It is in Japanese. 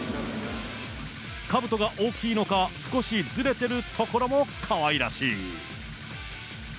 かぶとが大きいのか、少しずれてるところもかわいらしい。